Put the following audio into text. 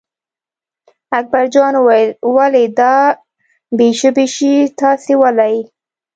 اکبرجان وویل ولې دا بې ژبې شی تاسې ولئ.